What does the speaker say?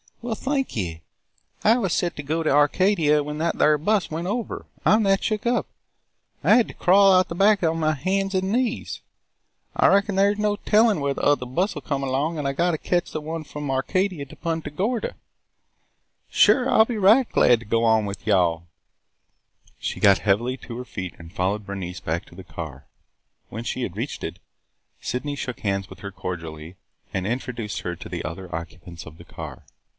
"Well, thank yuh! I was set to go to Arcadia when that thyar bus went over. I 'm that shook up! I had tuh crawl out the back on my hands an' knees! I reckon thyar 's no tellin' when the othah bus'll come along an' I gotta catch the one from Arcadia to Punta Gorda. Sure! I 'll be right glad to go on with you all!" She got heavily to her feet and followed Bernice back to the car. When she had reached it, Sydney shook hands with her cordially and introduced her to the other occupants of the car.